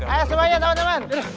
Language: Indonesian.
ayo semuanya temen temen